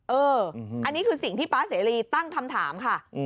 เอออันนี้คือสิ่งที่ป๊าเสรีตั้งคำถามค่ะ